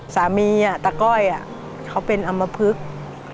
สามีตะก้อยเค้าเป็นอำเภอเพื้ง